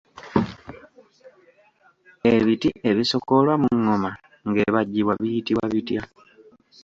Ebiti ebisokoolwa mu ngoma ng’ebajjibwa biyitibwa bitya?